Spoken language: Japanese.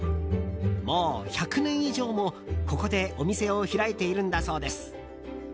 もう１００年以上も、ここでお店を開いているんだそうです。